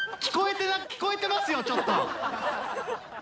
聞こえてますよちょっと。